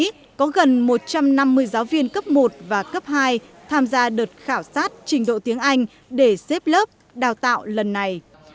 trong đó có gần một trăm năm mươi giáo viên cấp một và cấp hai tham gia đợt khảo sát trình độ tiếng anh để xếp lớp đào tạo lần này